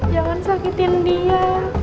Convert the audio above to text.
jangan sakitin dia